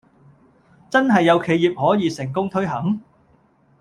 真係有企業可以成功推行?